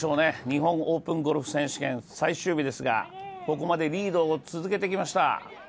日本オープンゴルフ選手権最終日ですがここまでリードを続けてきました